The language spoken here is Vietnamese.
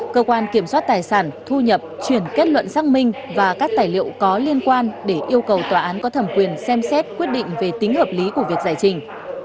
cơ quan kiểm soát tài sản thu nhập chuyển kết luận xác minh và các tài liệu có liên quan để yêu cầu tòa án có thẩm quyền xem xét quyết định về tính hợp lý của việc giải trình